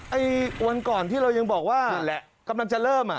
ไอ้วันก่อนที่เรายังบอกว่ากำลังจะเริ่ม